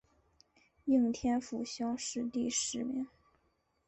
应天府乡试第十名。